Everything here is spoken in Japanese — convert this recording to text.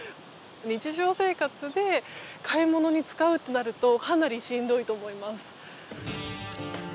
日常生活で買い物に使うとなるとかなりしんどいと思います。